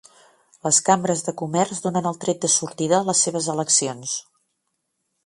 Les cambres de comerç donen el tret de sortida a les seves eleccions